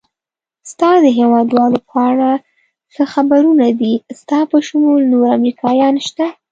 ستا د هېوادوالو په اړه څه خبرونه دي؟ ستا په شمول نور امریکایان شته؟